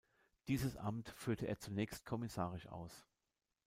Dieses Amt führte er zunächst kommissarisch aus.